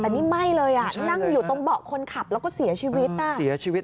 แต่นี่ไม่เลยนั่งอยู่ตรงเบาะคนขับแล้วก็เสียชีวิต